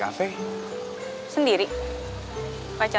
kamu sendiri aja